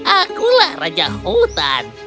akulah raja hutan